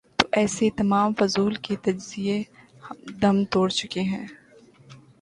تو ایسے تمام فضول کے تجزیے دم توڑ چکے ہیں۔